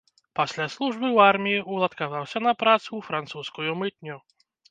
Пасля службы ў арміі уладкаваўся на працу ў французскую мытню.